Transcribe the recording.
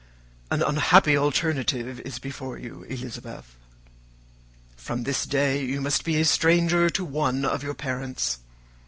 "An unhappy alternative is before you, Elizabeth. From this day you must be a stranger to one of your parents.